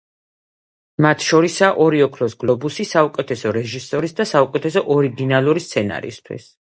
მათ შორისაა ორი ოქროს გლობუსი საუკეთესო რეჟისორის და საუკეთესო ორიგინალური სცენარისთვის.